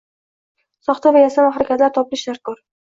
soxta va yasama harakatlar topilishi darkor.